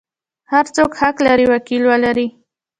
هر څوک حق لري وکیل ولري.